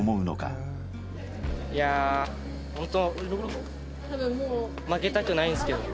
いやホント。